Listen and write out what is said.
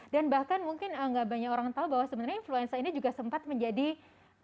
dan bahkan mungkin nggak banyak orang tahu bahwa sebenarnya influenza ini juga sempat menjadi virus